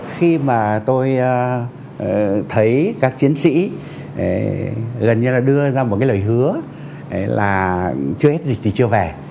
khi mà tôi thấy các chiến sĩ gần như là đưa ra một cái lời hứa là chưa hết dịch thì chưa về